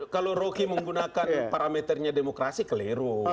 kalau rocky menggunakan parameternya demokrasi keliru